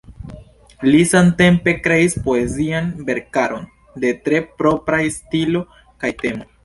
Li samtempe kreis poezian verkaron de tre propraj stilo kaj temoj.